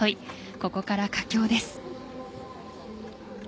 ここから佳境です。